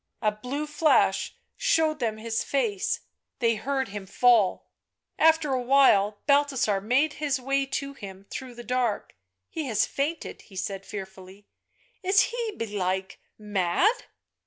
A blue flash showed them his face ... they heard him fall. ... After a while Balthasar made his way to him through the dark. " He has fainted," he said fearfully; " is he, belike, mad